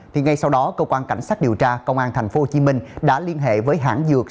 thì ngay sau đó cơ quan cảnh sát điều tra công an tp hcm đã liên hệ với hãng dược